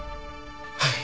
はい。